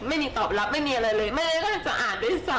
ไม่มีตอบรับไม่มีอะไรเลยไม่น่าจะอ่านด้วยซ้ำ